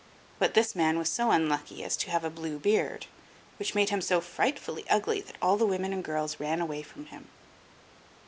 But this man was so unlucky as to have a blue beard, which made him so frightfully ugly that all the women and girls ran away from him.